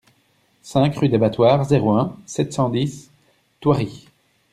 cinq rue des Battoirs, zéro un, sept cent dix, Thoiry